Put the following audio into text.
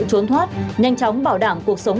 trốn thoát nhanh chóng bảo đảm cuộc sống